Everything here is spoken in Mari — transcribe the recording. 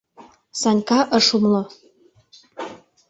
— Санька ыш умло.